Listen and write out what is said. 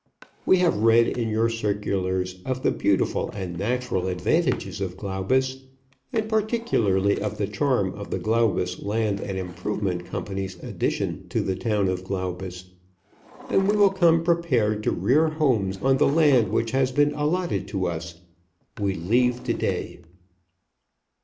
We have read in your circulars of the beautiful and natural advantages of Glaubus, and particularly of the charm of the Glaubus Land and Improvement Company's Addition to the town of Glaubus, and we will come prepared to rear homes on the land which has been allotted to us. We leave to day."